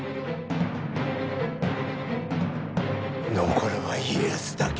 残るは家康だけ。